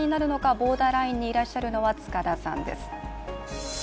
ボーダーラインにいらっしゃるのは塚田さんです。